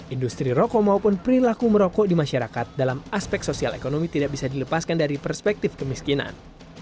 industri rokok maupun perilaku merokok di masyarakat dalam aspek sosial ekonomi tidak bisa dilepaskan dari perspektif kemiskinan